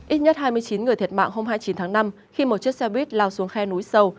ít nhất hai mươi chín người thiệt mạng hôm hai mươi chín tháng năm khi một chiếc xe buýt lao xuống khe núi sâu